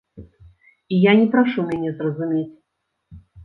І я не прашу мяне зразумець.